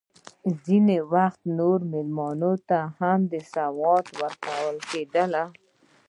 ځینې وخت نورو مېلمنو ته هم سوغاتونه ورکول کېدل.